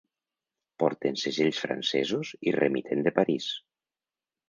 Porten segells francesos i remitent de París.